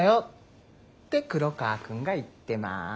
黒川くんが言ってます。